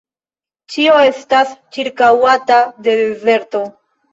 Ĉio estas ĉirkaŭata de dezerto.